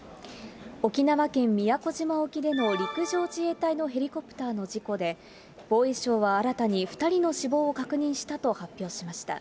沖縄県宮古島沖での陸上自衛隊のヘリコプターの事故で、防衛省は新たに２人の死亡を確認したと発表しました。